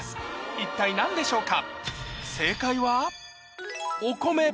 一体何でしょうか？